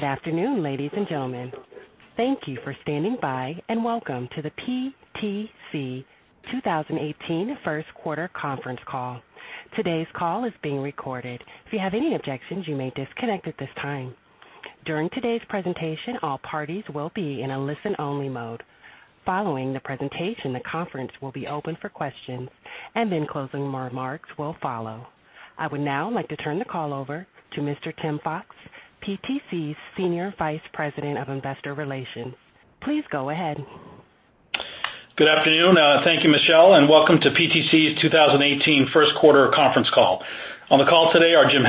Good afternoon, ladies and gentlemen. Thank you for standing by, and welcome to the PTC 2018 first quarter conference call. Today's call is being recorded. If you have any objections, you may disconnect at this time. During today's presentation, all parties will be in a listen-only mode. Following the presentation, the conference will be open for questions, and closing remarks will follow. I would now like to turn the call over to Mr. Tim Fox, PTC's Senior Vice President of Investor Relations. Please go ahead. Good afternoon. Thank you, Michelle, and welcome to PTC's 2018 first quarter conference call. On the call today are Jim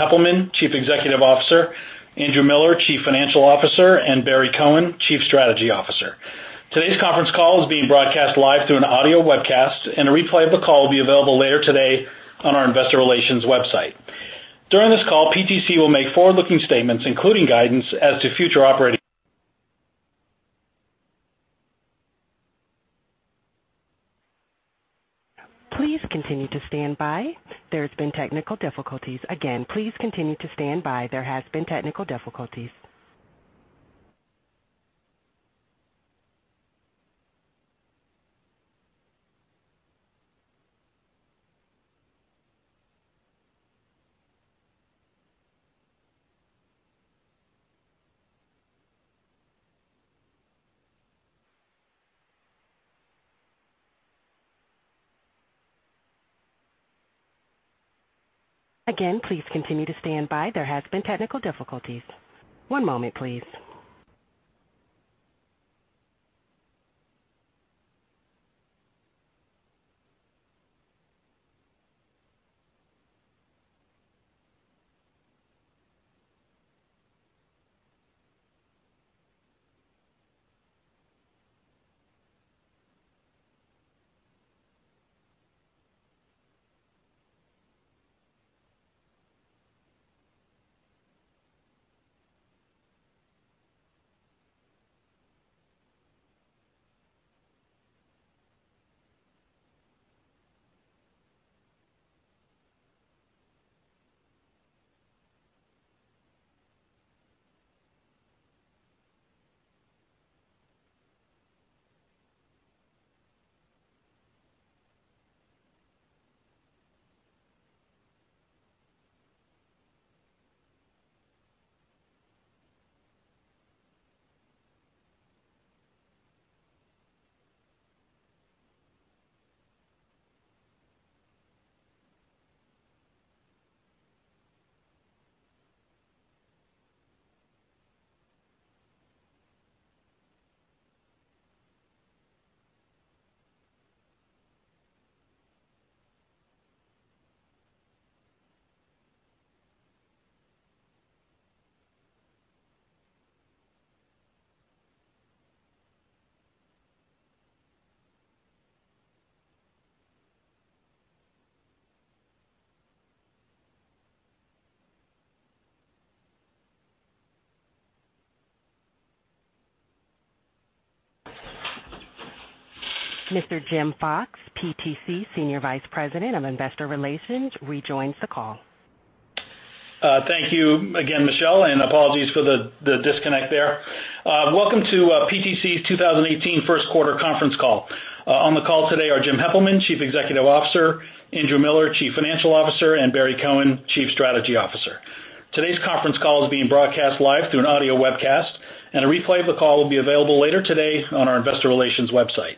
Heppelmann, Chief Executive Officer, Andrew Miller, Chief Financial Officer, and Barry Cohen, Chief Strategy Officer. Today's conference call is being broadcast live through an audio webcast, and a replay of the call will be available later today on our investor relations website.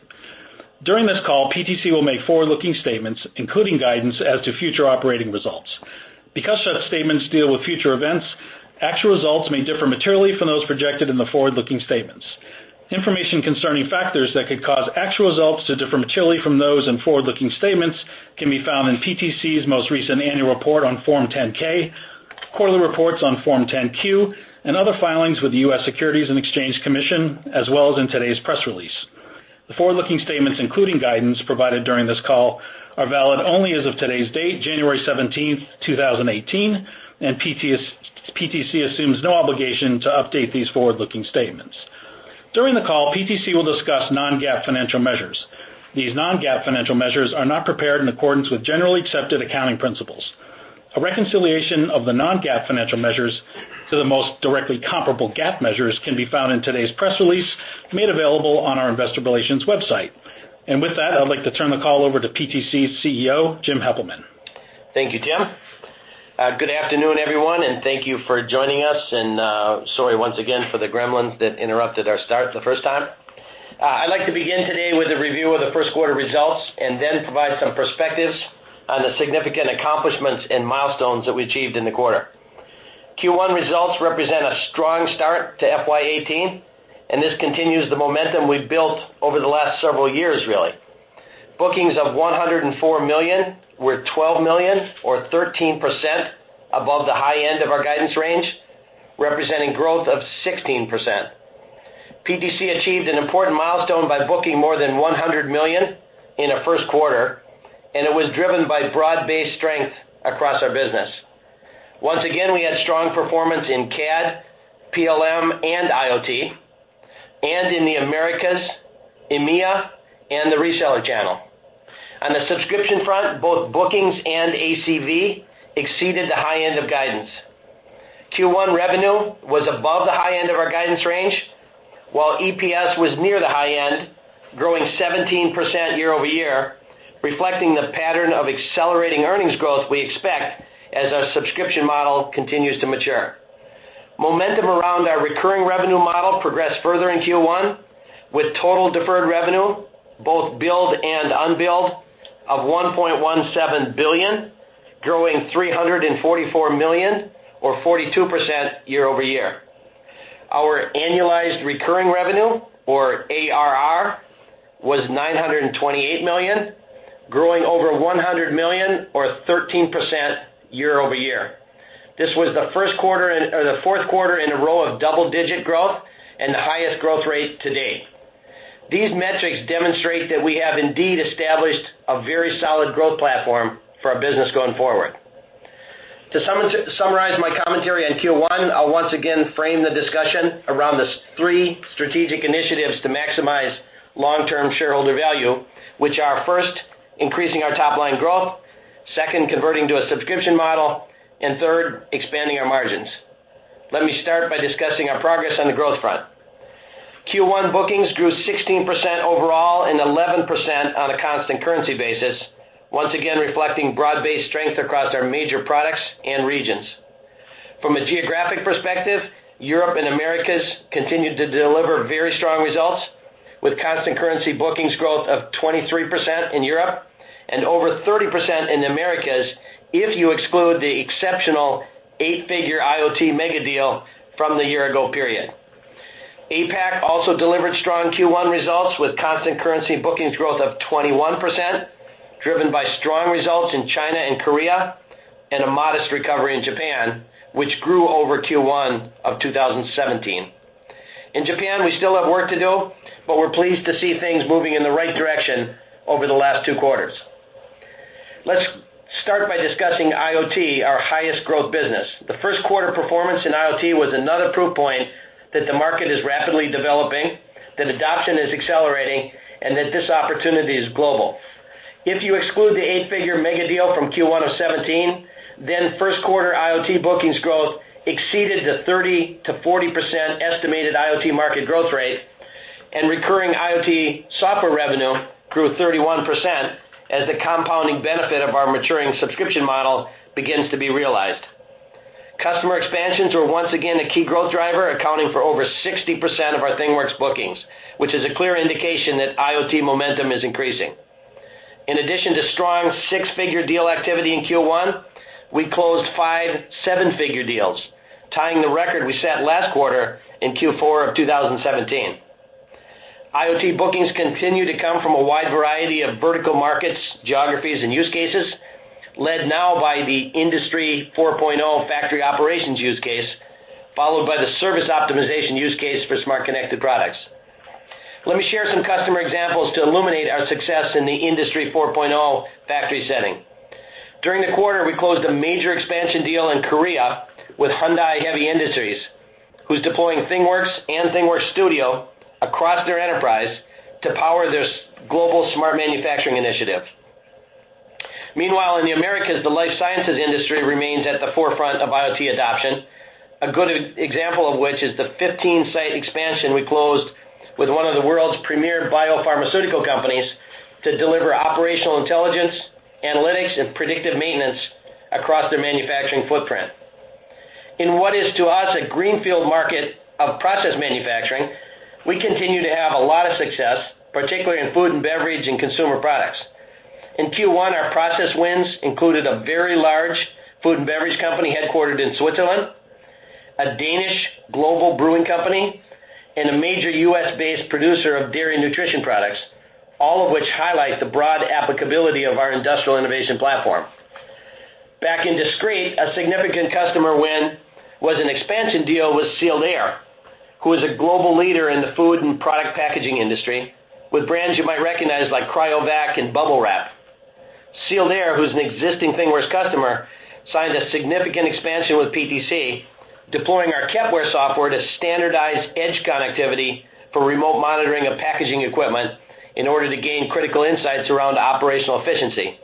The forward-looking statements, including guidance provided during this call, are valid only as of today's date, January 17th, 2018, PTC assumes no obligation to update these forward-looking statements. During the call, PTC will discuss non-GAAP financial measures. These non-GAAP financial measures are not prepared in accordance with generally accepted accounting principles. A reconciliation of the non-GAAP financial measures to the most directly comparable GAAP measures can be found in today's press release, made available on our investor relations website. With that, I'd like to turn the call over to PTC's CEO, James Heppelmann. Thank you, Jim. Good afternoon, everyone, and thank you for joining us, and sorry once again for the gremlins that interrupted our start the first time. I'd like to begin today with a review of the first quarter results and then provide some perspectives on the significant accomplishments and milestones that we achieved in the quarter. Q1 results represent a strong start to FY 2018, and this continues the momentum we've built over the last several years, really. Bookings of $104 million were $12 million or 13% above the high end of our guidance range, representing growth of 16%. PTC achieved an important milestone by booking more than $100 million in a first quarter, and it was driven by broad-based strength across our business. Once again, we had strong performance in CAD, PLM, and IoT, and in the Americas, EMEA, and the reseller channel. On the subscription front, both bookings and ACV exceeded the high end of guidance. Q1 revenue was above the high end of our guidance range, while EPS was near the high end, growing 17% year-over-year, reflecting the pattern of accelerating earnings growth we expect as our subscription model continues to mature. Momentum around our recurring revenue model progressed further in Q1 with total deferred revenue, both billed and unbilled, of $1.17 billion, growing $344 million or 42% year-over-year. Our annualized recurring revenue, or ARR, was $928 million, growing over $100 million or 13% year-over-year. This was the fourth quarter in a row of double-digit growth and the highest growth rate to date. These metrics demonstrate that we have indeed established a very solid growth platform for our business going forward. To summarize my commentary on Q1, I'll once again frame the discussion around the three strategic initiatives to maximize long-term shareholder value, which are first, increasing our top-line growth, second, converting to a subscription model, and third, expanding our margins. Let me start by discussing our progress on the growth front. Q1 bookings grew 16% overall and 11% on a constant currency basis, once again reflecting broad-based strength across our major products and regions. From a geographic perspective, Europe and Americas continued to deliver very strong results with constant currency bookings growth of 23% in Europe and over 30% in the Americas if you exclude the exceptional eight-figure IoT mega deal from the year-ago period. APAC also delivered strong Q1 results with constant currency bookings growth of 21%, driven by strong results in China and Korea and a modest recovery in Japan, which grew over Q1 of 2017. In Japan, we still have work to do, we're pleased to see things moving in the right direction over the last two quarters. Let's start by discussing IoT, our highest growth business. The first quarter performance in IoT was another proof point that the market is rapidly developing, that adoption is accelerating, and that this opportunity is global. If you exclude the eight-figure mega deal from Q1 of 2017, first quarter IoT bookings growth exceeded the 30%-40% estimated IoT market growth rate, and recurring IoT software revenue grew 31% as the compounding benefit of our maturing subscription model begins to be realized. Customer expansions were once again a key growth driver, accounting for over 60% of our ThingWorx bookings, which is a clear indication that IoT momentum is increasing. In addition to strong six-figure deal activity in Q1, we closed five seven-figure deals, tying the record we set last quarter in Q4 of 2017. IoT bookings continue to come from a wide variety of vertical markets, geographies, and use cases, led now by the Industry 4.0 factory operations use case, followed by the service optimization use case for smart connected products. Let me share some customer examples to illuminate our success in the Industry 4.0 factory setting. During the quarter, we closed a major expansion deal in Korea with Hyundai Heavy Industries, who's deploying ThingWorx and ThingWorx Studio across their enterprise to power their global smart manufacturing initiative. Meanwhile, in the Americas, the life sciences industry remains at the forefront of IoT adoption. A good example of which is the 15-site expansion we closed with one of the world's premier biopharmaceutical companies to deliver operational intelligence, analytics, and predictive maintenance across their manufacturing footprint. In what is to us a greenfield market of process manufacturing, we continue to have a lot of success, particularly in food and beverage and consumer products. In Q1, our process wins included a very large food and beverage company headquartered in Switzerland, a Danish global brewing company, and a major U.S.-based producer of dairy nutrition products, all of which highlight the broad applicability of our industrial innovation platform. Back in discrete, a significant customer win was an expansion deal with Sealed Air, who is a global leader in the food and product packaging industry with brands you might recognize like CRYOVAC and Bubble Wrap. Sealed Air, who's an existing ThingWorx customer, signed a significant expansion with PTC, deploying our Kepware software to standardize edge connectivity for remote monitoring of packaging equipment in order to gain critical insights around operational efficiency.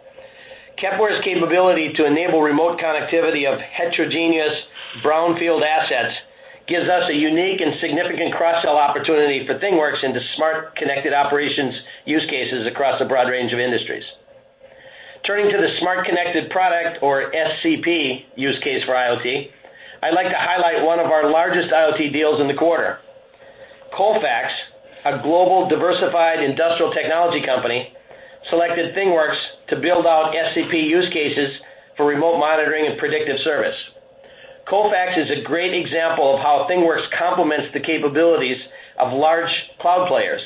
Kepware's capability to enable remote connectivity of heterogeneous brownfield assets gives us a unique and significant cross-sell opportunity for ThingWorx into smart connected operations use cases across a broad range of industries. Turning to the smart connected product or SCP use case for IoT, I'd like to highlight one of our largest IoT deals in the quarter. Colfax, a global diversified industrial technology company, selected ThingWorx to build out SCP use cases for remote monitoring and predictive service. Colfax is a great example of how ThingWorx complements the capabilities of large cloud players.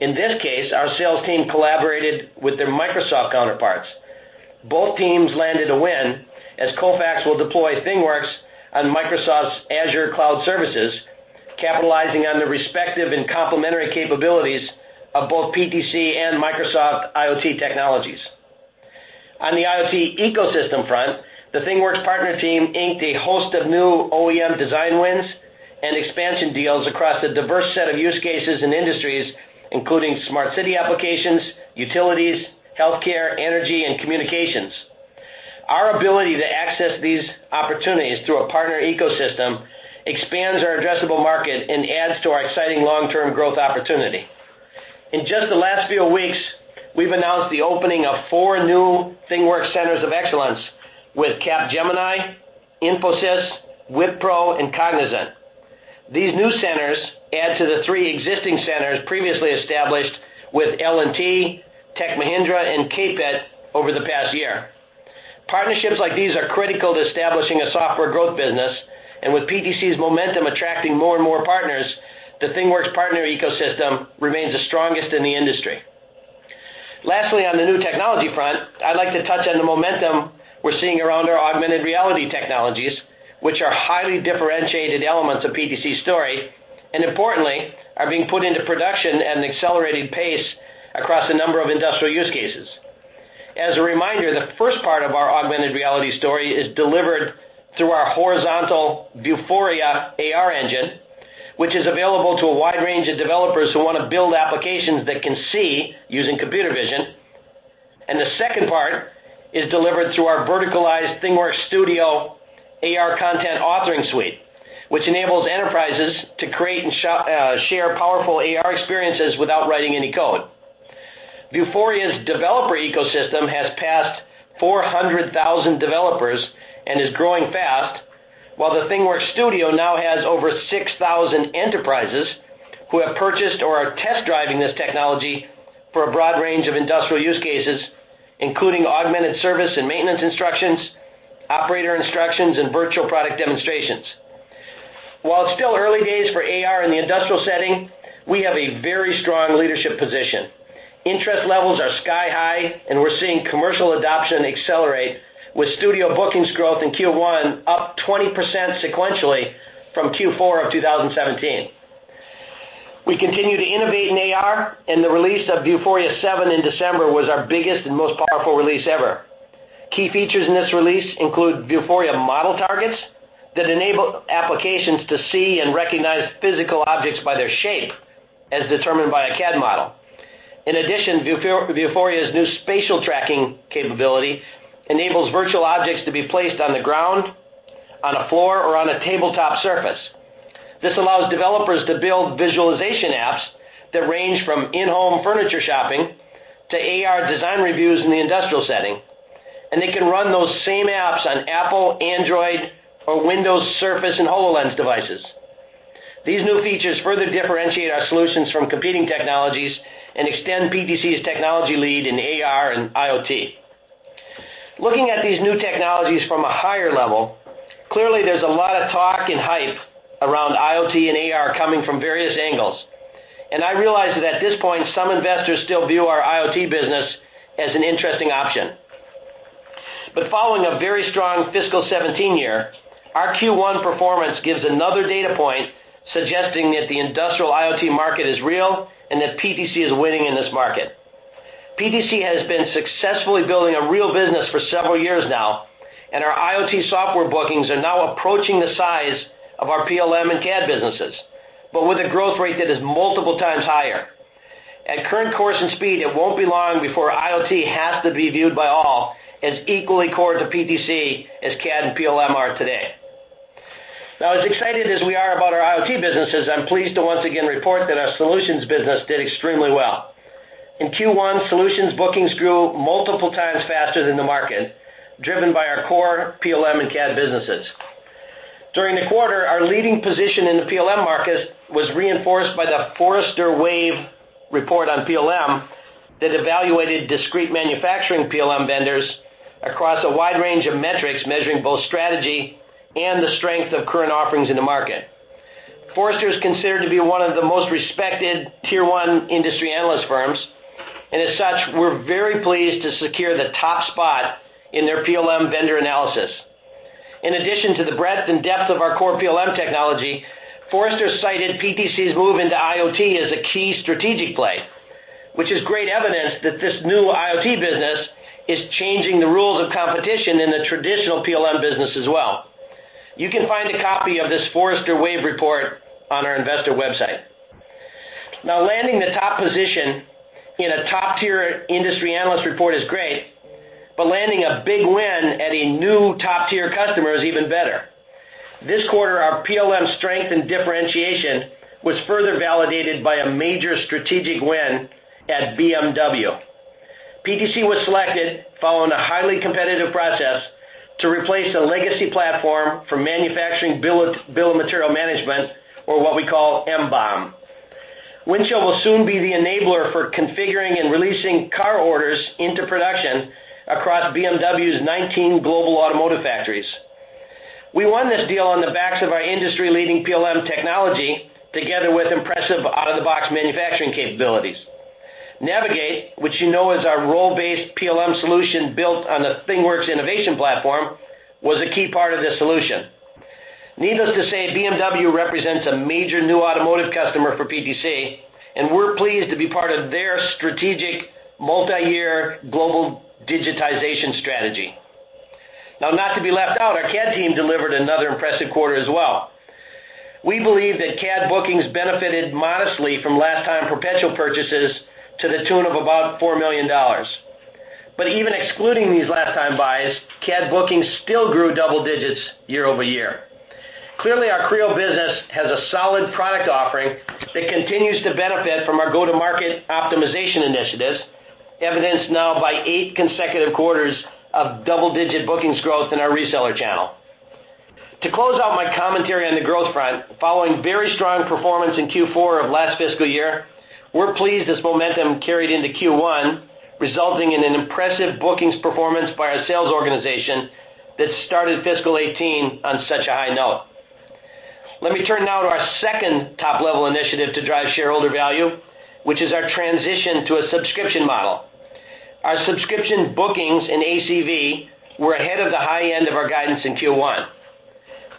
In this case, our sales team collaborated with their Microsoft counterparts. Both teams landed a win as Colfax will deploy ThingWorx on Microsoft Azure cloud services, capitalizing on the respective and complementary capabilities of both PTC and Microsoft IoT technologies. On the IoT ecosystem front, the ThingWorx partner team inked a host of new OEM design wins and expansion deals across a diverse set of use cases and industries, including smart city applications, utilities, healthcare, energy, and communications. Our ability to access these opportunities through a partner ecosystem expands our addressable market and adds to our exciting long-term growth opportunity. In just the last few weeks, we've announced the opening of four new ThingWorx Centers of Excellence with Capgemini, Infosys, Wipro, and Cognizant. These new centers add to the three existing centers previously established with L&T, Tech Mahindra, and KPIT over the past year. Partnerships like these are critical to establishing a software growth business. With PTC's momentum attracting more and more partners, the ThingWorx partner ecosystem remains the strongest in the industry. Lastly, on the new technology front, I'd like to touch on the momentum we're seeing around our augmented reality technologies, which are highly differentiated elements of PTC's story, importantly, are being put into production at an accelerating pace across a number of industrial use cases. As a reminder, the first part of our augmented reality story is delivered through our horizontal Vuforia AR engine, which is available to a wide range of developers who want to build applications that can see using computer vision. The second part is delivered through our verticalized ThingWorx Studio AR content authoring suite, which enables enterprises to create and share powerful AR experiences without writing any code. Vuforia's developer ecosystem has passed 400,000 developers and is growing fast, while the ThingWorx Studio now has over 6,000 enterprises who have purchased or are test driving this technology for a broad range of industrial use cases, including augmented service and maintenance instructions, operator instructions, and virtual product demonstrations. While it's still early days for AR in the industrial setting, we have a very strong leadership position. Interest levels are sky high. We're seeing commercial adoption accelerate with Studio bookings growth in Q1 up 20% sequentially from Q4 of 2017. We continue to innovate in AR. The release of Vuforia 7 in December was our biggest and most powerful release ever. Key features in this release include Vuforia Model Targets that enable applications to see and recognize physical objects by their shape, as determined by a CAD model. In addition, Vuforia's new spatial tracking capability enables virtual objects to be placed on the ground, on a floor, or on a tabletop surface. This allows developers to build visualization apps that range from in-home furniture shopping to AR design reviews in the industrial setting. They can run those same apps on Apple, Android, or Microsoft Surface and HoloLens devices. These new features further differentiate our solutions from competing technologies and extend PTC's technology lead in AR and IoT. Looking at these new technologies from a higher level, clearly there's a lot of talk and hype around IoT and AR coming from various angles. I realize that at this point, some investors still view our IoT business as an interesting option. Following a very strong fiscal 2017 year, our Q1 performance gives another data point suggesting that the industrial IoT market is real and that PTC is winning in this market. PTC has been successfully building a real business for several years now, and our IoT software bookings are now approaching the size of our PLM and CAD businesses, but with a growth rate that is multiple times higher. At current course and speed, it won't be long before IoT has to be viewed by all as equally core to PTC as CAD and PLM are today. As excited as we are about our IoT businesses, I'm pleased to once again report that our solutions business did extremely well. In Q1, solutions bookings grew multiple times faster than the market, driven by our core PLM and CAD businesses. During the quarter, our leading position in the PLM market was reinforced by the Forrester Wave report on PLM that evaluated discrete manufacturing PLM vendors across a wide range of metrics, measuring both strategy and the strength of current offerings in the market. Forrester is considered to be one of the most respected tier 1 industry analyst firms, and as such, we're very pleased to secure the top spot in their PLM vendor analysis. In addition to the breadth and depth of our core PLM technology, Forrester cited PTC's move into IoT as a key strategic play, which is great evidence that this new IoT business is changing the rules of competition in the traditional PLM business as well. You can find a copy of this Forrester Wave report on our investor website. Landing the top position in a top-tier industry analyst report is great, landing a big win at a new top-tier customer is even better. This quarter, our PLM strength and differentiation was further validated by a major strategic win at BMW. PTC was selected following a highly competitive process to replace a legacy platform for manufacturing bill of material management or what we call MBOM. Windchill will soon be the enabler for configuring and releasing car orders into production across BMW's 19 global automotive factories. We won this deal on the backs of our industry-leading PLM technology together with impressive out-of-the-box manufacturing capabilities. Navigate, which you know is our role-based PLM solution built on the ThingWorx innovation platform, was a key part of this solution. Needless to say, BMW represents a major new automotive customer for PTC, and we're pleased to be part of their strategic multi-year global digitization strategy. Not to be left out, our CAD team delivered another impressive quarter as well. We believe that CAD bookings benefited modestly from last-time perpetual purchases to the tune of about $4 million. Even excluding these last-time buys, CAD bookings still grew double digits year-over-year. Clearly, our Creo business has a solid product offering that continues to benefit from our go-to-market optimization initiatives, evidenced now by eight consecutive quarters of double-digit bookings growth in our reseller channel. To close out my commentary on the growth front, following very strong performance in Q4 of last fiscal year, we're pleased this momentum carried into Q1, resulting in an impressive bookings performance by our sales organization that started fiscal 2018 on such a high note. Let me turn now to our second top-level initiative to drive shareholder value, which is our transition to a subscription model. Our subscription bookings in ACV were ahead of the high end of our guidance in Q1.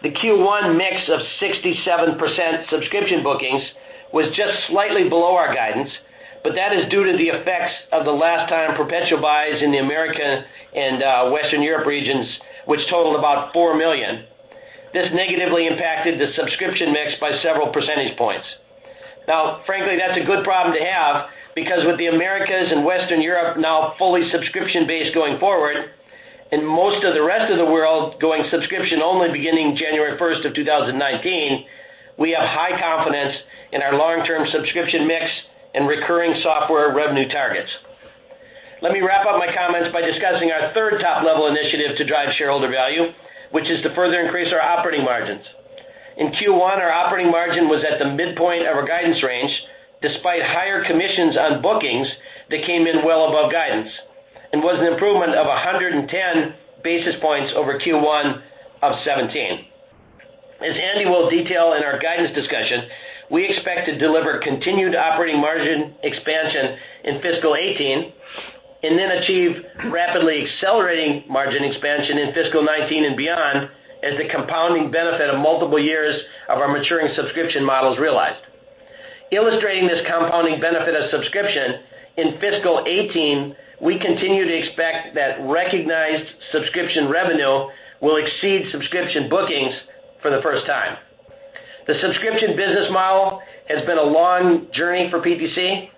The Q1 mix of 67% subscription bookings was just slightly below our guidance, but that is due to the effects of the last-time perpetual buys in the Americas and Western Europe regions, which totaled about $4 million. This negatively impacted the subscription mix by several percentage points. Frankly, that's a good problem to have because with the Americas and Western Europe now fully subscription-based going forward, and most of the rest of the world going subscription only beginning January 1st of 2019, we have high confidence in our long-term subscription mix and recurring software revenue targets. Let me wrap up my comments by discussing our third top-level initiative to drive shareholder value, which is to further increase our operating margins. In Q1, our operating margin was at the midpoint of our guidance range, despite higher commissions on bookings that came in well above guidance and was an improvement of 110 basis points over Q1 of 2017. As Andy will detail in our guidance discussion, we expect to deliver continued operating margin expansion in fiscal 2018 and then achieve rapidly accelerating margin expansion in fiscal 2019 and beyond as the compounding benefit of multiple years of our maturing subscription model is realized. Illustrating this compounding benefit of subscription, in fiscal 2018, we continue to expect that recognized subscription revenue will exceed subscription bookings for the first time. The subscription business model has been a long journey for PTC,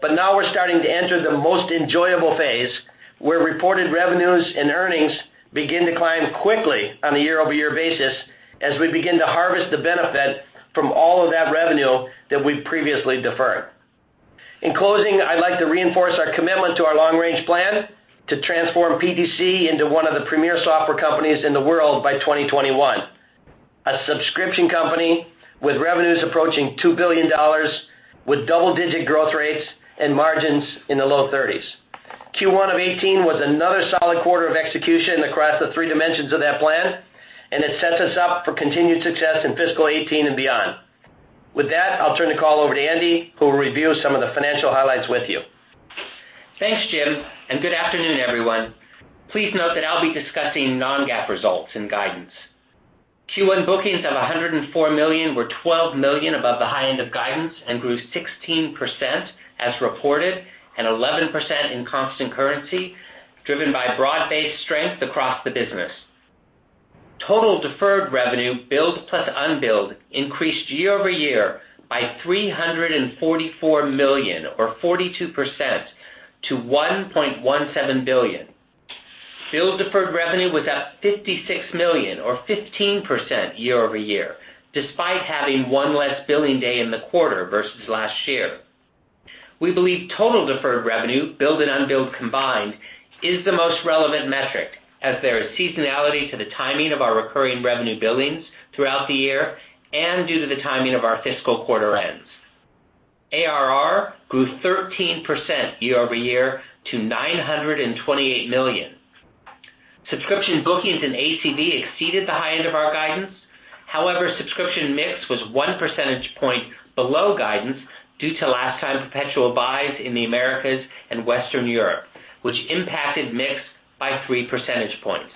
but now we're starting to enter the most enjoyable phase, where reported revenues and earnings begin to climb quickly on a year-over-year basis as we begin to harvest the benefit from all of that revenue that we've previously deferred. In closing, I'd like to reinforce our commitment to our long-range plan to transform PTC into one of the premier software companies in the world by 2021. A subscription company with revenues approaching $2 billion, with double-digit growth rates and margins in the low 30s. Q1 of 2018 was another solid quarter of execution across the three dimensions of that plan, and it sets us up for continued success in fiscal 2018 and beyond. With that, I'll turn the call over to Andy, who will review some of the financial highlights with you. Thanks, Jim, and good afternoon, everyone. Please note that I'll be discussing non-GAAP results and guidance. Q1 bookings of $104 million were $12 million above the high end of guidance and grew 16% as reported and 11% in constant currency, driven by broad-based strength across the business. Total deferred revenue, billed plus unbilled, increased year-over-year by $344 million or 42% to $1.17 billion. Billed deferred revenue was up $56 million or 15% year-over-year, despite having one less billing day in the quarter versus last year. We believe total deferred revenue, billed and unbilled combined, is the most relevant metric, as there is seasonality to the timing of our recurring revenue billings throughout the year and due to the timing of our fiscal quarter ends. ARR grew 13% year-over-year to $928 million. Subscription bookings in ACV exceeded the high end of our guidance. Subscription mix was one percentage point below guidance due to last-time perpetual buys in the Americas and Western Europe, which impacted mix by three percentage points.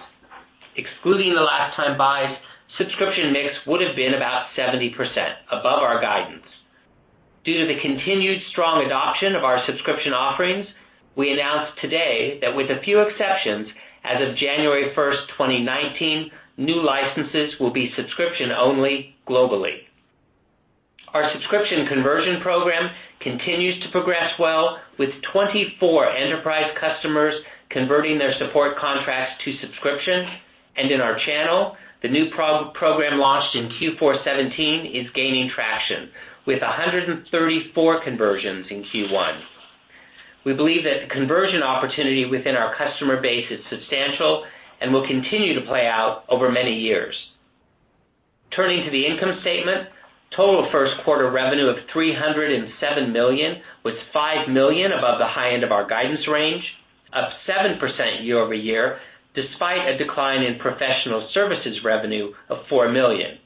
Excluding the last-time buys, subscription mix would have been about 70%, above our guidance. Due to the continued strong adoption of our subscription offerings, we announced today that with a few exceptions, as of January 1st, 2019, new licenses will be subscription only globally. Our subscription conversion program continues to progress well with 24 enterprise customers converting their support contracts to subscriptions. In our channel, the new program launched in Q4 2017 is gaining traction with 134 conversions in Q1. We believe that the conversion opportunity within our customer base is substantial and will continue to play out over many years. Turning to the income statement, total first quarter revenue of $307 million was $5 million above the high end of our guidance range, up 7% year-over-year, despite a decline in professional services revenue of $4 million.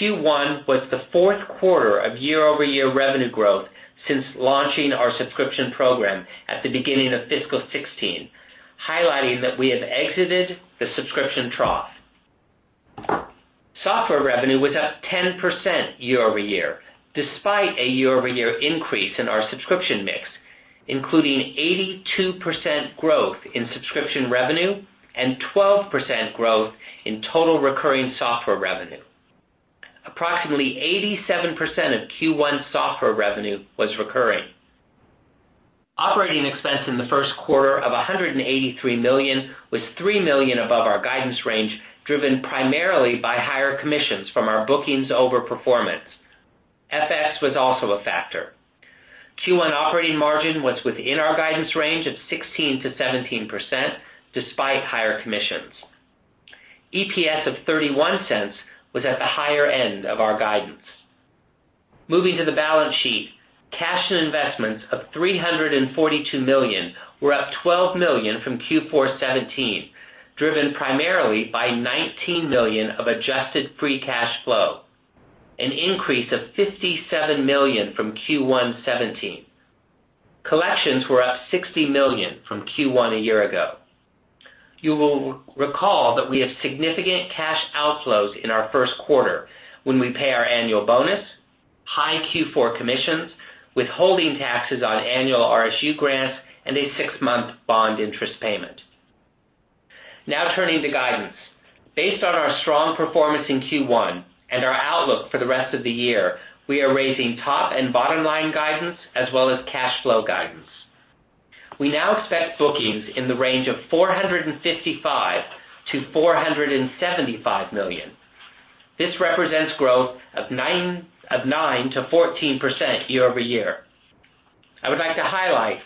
Q1 was the fourth quarter of year-over-year revenue growth since launching our subscription program at the beginning of fiscal 2016, highlighting that we have exited the subscription trough. Software revenue was up 10% year-over-year, despite a year-over-year increase in our subscription mix, including 82% growth in subscription revenue and 12% growth in total recurring software revenue. Approximately 87% of Q1 software revenue was recurring. Operating expense in the first quarter of $183 million was $3 million above our guidance range, driven primarily by higher commissions from our bookings over performance. FX was also a factor. Q1 operating margin was within our guidance range of 16%-17%, despite higher commissions. EPS of $0.31 was at the higher end of our guidance. Moving to the balance sheet, cash and investments of $342 million were up $12 million from Q4 2017, driven primarily by $19 million of adjusted free cash flow, an increase of $57 million from Q1 2017. Collections were up $60 million from Q1 a year ago. You will recall that we have significant cash outflows in our first quarter when we pay our annual bonus, high Q4 commissions, withholding taxes on annual RSU grants, and a six-month bond interest payment. Turning to guidance. Based on our strong performance in Q1 and our outlook for the rest of the year, we are raising top and bottom-line guidance as well as cash flow guidance. We now expect bookings in the range of $455 million-$475 million. This represents growth of 9%-14% year-over-year. I would like to highlight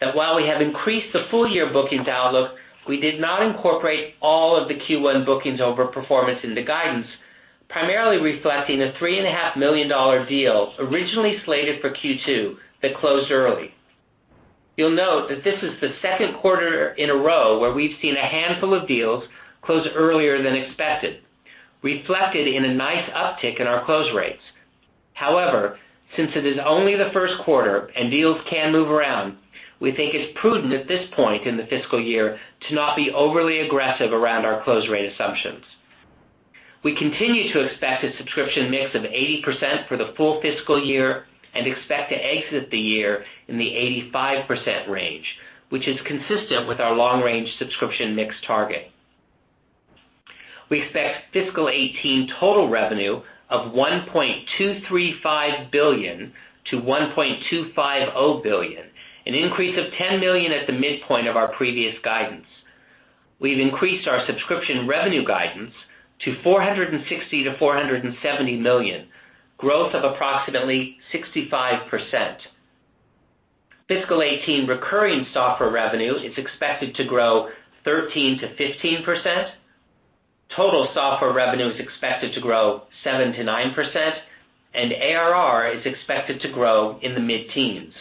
that while we have increased the full-year bookings outlook, we did not incorporate all of the Q1 bookings over performance in the guidance, primarily reflecting a $3.5 million deal originally slated for Q2 that closed early. You'll note that this is the second quarter in a row where we've seen a handful of deals close earlier than expected, reflected in a nice uptick in our close rates. However, since it is only the first quarter and deals can move around, we think it's prudent at this point in the fiscal year to not be overly aggressive around our close rate assumptions. We continue to expect a subscription mix of 80% for the full fiscal year and expect to exit the year in the 85% range, which is consistent with our long-range subscription mix target. We expect fiscal 2018 total revenue of $1.235 billion-$1.250 billion, an increase of $10 million at the midpoint of our previous guidance. We have increased our subscription revenue guidance to $460 million-$470 million, growth of approximately 65%. Fiscal 2018 recurring software revenue is expected to grow 13%-15%. Total software revenue is expected to grow 7%-9%, and ARR is expected to grow in the mid-teens.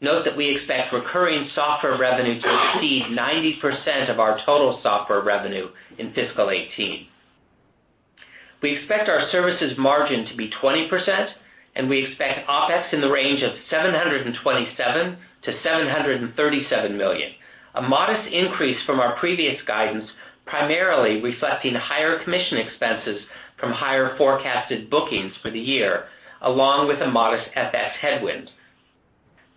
Note that we expect recurring software revenue to exceed 90% of our total software revenue in fiscal 2018. We expect our services margin to be 20%, and we expect OPEX in the range of $727 million-$737 million, a modest increase from our previous guidance, primarily reflecting higher commission expenses from higher forecasted bookings for the year, along with a modest FX headwind.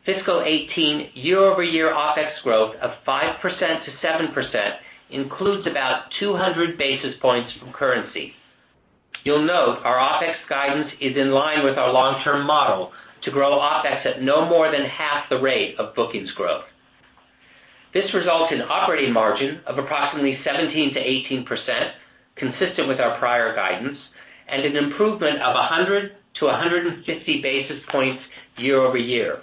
Fiscal 2018 year-over-year OPEX growth of 5%-7% includes about 200 basis points from currency. You will note our OPEX guidance is in line with our long-term model to grow OPEX at no more than half the rate of bookings growth. This results in operating margin of approximately 17%-18%, consistent with our prior guidance, and an improvement of 100-150 basis points year-over-year.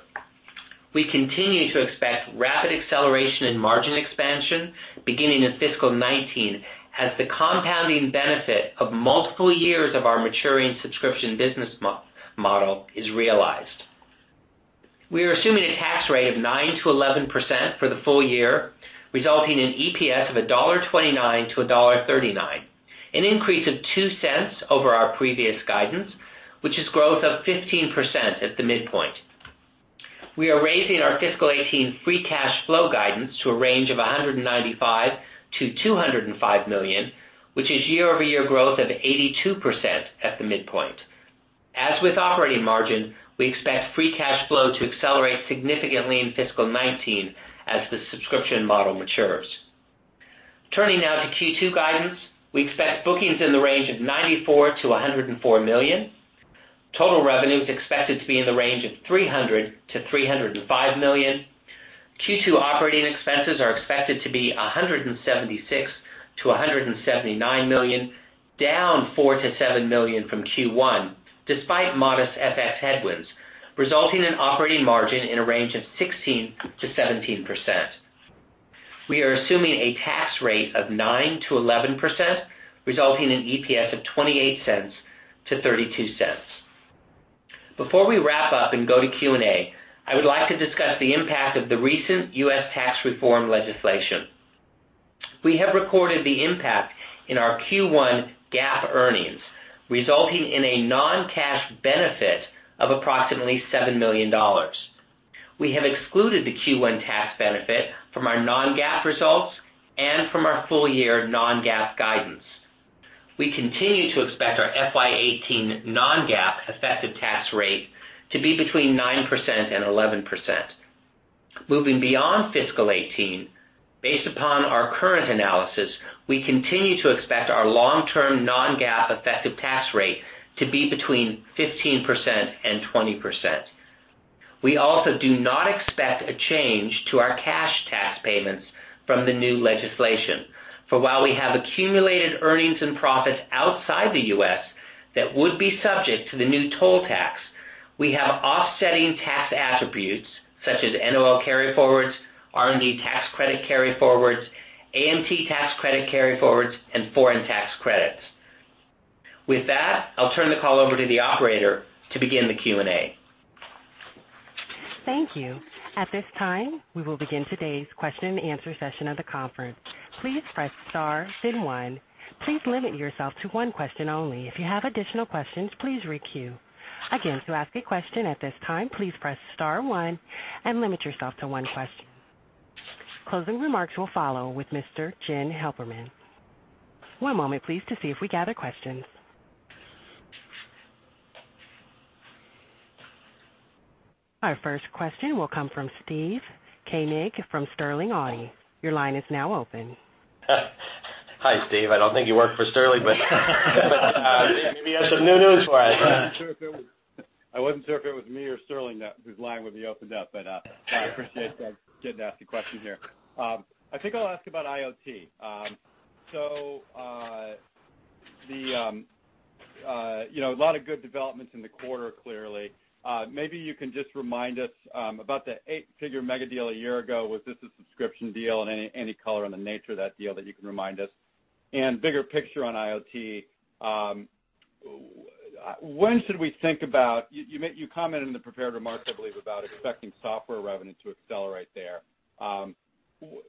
We continue to expect rapid acceleration in margin expansion beginning in fiscal 2019, as the compounding benefit of multiple years of our maturing subscription business model is realized. We are assuming a tax rate of 9%-11% for the full year, resulting in EPS of $1.29-$1.39, an increase of $0.02 over our previous guidance, which is growth of 15% at the midpoint. We are raising our fiscal 2018 free cash flow guidance to a range of $195 million-$205 million, which is year-over-year growth of 82% at the midpoint. As with operating margin, we expect free cash flow to accelerate significantly in fiscal 2019 as the subscription model matures. Turning now to Q2 guidance, we expect bookings in the range of $94 million-$104 million. Total revenue is expected to be in the range of $300 million-$305 million. Q2 operating expenses are expected to be $176 million-$179 million, down $4 million-$7 million from Q1, despite modest FX headwinds, resulting in operating margin in a range of 16%-17%. We are assuming a tax rate of 9%-11%, resulting in EPS of $0.28-$0.32. Before we wrap up and go to Q&A, I would like to discuss the impact of the recent U.S. tax reform legislation. We have recorded the impact in our Q1 GAAP earnings, resulting in a non-cash benefit of approximately $7 million. We have excluded the Q1 tax benefit from our non-GAAP results and from our full-year non-GAAP guidance. We continue to expect our FY 2018 non-GAAP effective tax rate to be between 9% and 11%. Moving beyond fiscal 2018, based upon our current analysis, we continue to expect our long-term non-GAAP effective tax rate to be between 15% and 20%. We also do not expect a change to our cash tax payments from the new legislation, for while we have accumulated earnings and profits outside the U.S. that would be subject to the new toll tax, we have offsetting tax attributes such as NOL carryforwards, R&D tax credit carryforwards, AMT tax credit carryforwards, and foreign tax credits. With that, I will turn the call over to the operator to begin the Q&A. Thank you. At this time, we will begin today's question and answer session of the conference. Please press star then one. Please limit yourself to one question only. If you have additional questions, please re-queue. Again, to ask a question at this time, please press star one and limit yourself to one question. Closing remarks will follow with Mr. Jim Heppelmann. One moment please, to see if we gather questions. Our first question will come from Steve Koenig from Wedbush Securities. Your line is now open. Hi, Steve. I don't think you work for Sterling, but maybe you have some new news for us. I wasn't sure if it was me or Sterling whose line would be opened up, but I appreciate getting to ask a question here. I think I'll ask about IoT. A lot of good developments in the quarter, clearly. Maybe you can just remind us about the eight-figure megadeal a year ago. Was this a subscription deal, and any color on the nature of that deal that you can remind us? And bigger picture on IoT, when should we think about You commented in the prepared remarks, I believe, about expecting software revenue to accelerate there.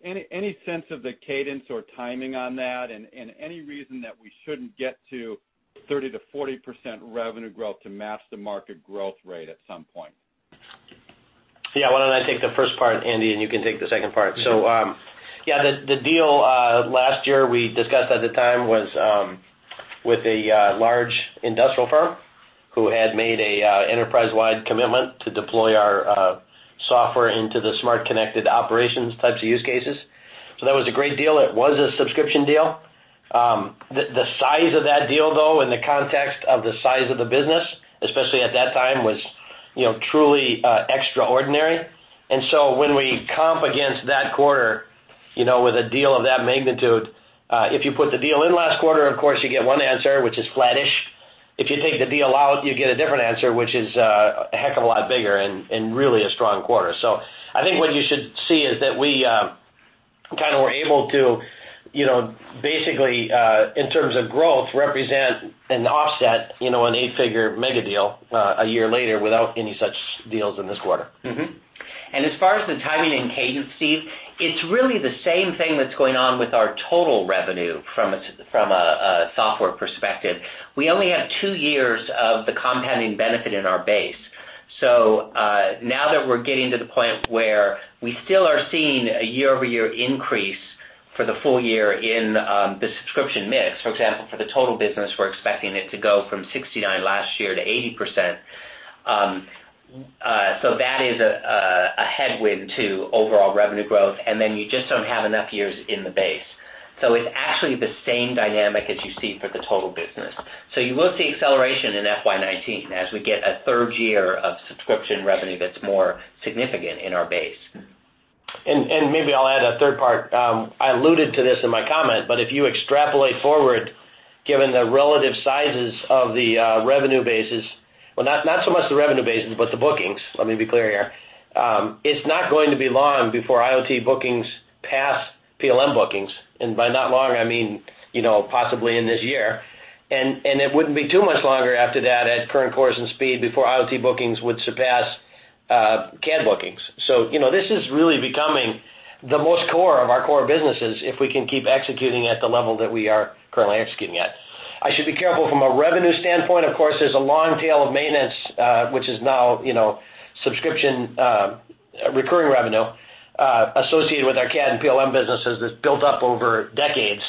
Any sense of the cadence or timing on that, and any reason that we shouldn't get to 30%-40% revenue growth to match the market growth rate at some point? Why don't I take the first part, Andy, and you can take the second part. The deal last year we discussed at the time was with a large industrial firm who had made an enterprise-wide commitment to deploy our software into the smart connected operations types of use cases. That was a great deal. It was a subscription deal. The size of that deal, though, in the context of the size of the business, especially at that time, was truly extraordinary. When we comp against that quarter, with a deal of that magnitude, if you put the deal in last quarter, of course, you get one answer, which is flattish. If you take the deal out, you get a different answer, which is a heck of a lot bigger and really a strong quarter. I think what you should see is that we kind of were able to basically, in terms of growth, represent and offset an eight-figure megadeal a year later without any such deals in this quarter. As far as the timing and cadence, Steve, it's really the same thing that's going on with our total revenue from a software perspective. We only have two years of the compounding benefit in our base. Now that we're getting to the point where we still are seeing a year-over-year increase for the full year in the subscription mix, for example, for the total business, we're expecting it to go from 69 last year to 80%. That is a headwind to overall revenue growth. Then you just don't have enough years in the base. It's actually the same dynamic as you see for the total business. You will see acceleration in FY 2019 as we get a third year of subscription revenue that's more significant in our base. Maybe I'll add a third part. I alluded to this in my comment, but if you extrapolate forward, given the relative sizes of the revenue bases, well, not so much the revenue bases, but the bookings, let me be clear here. It's not going to be long before IoT bookings pass PLM bookings. By not long, I mean, possibly in this year. It wouldn't be too much longer after that at current course and speed before IoT bookings would surpass CAD bookings. This is really becoming the most core of our core businesses if we can keep executing at the level that we are currently executing at. I should be careful from a revenue standpoint. Of course, there's a long tail of maintenance, which is now subscription recurring revenue associated with our CAD and PLM businesses that's built up over decades,